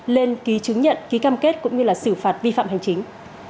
lên ký chứng nhận ký cam kết cũng như là xử phạt vi phạm hành chính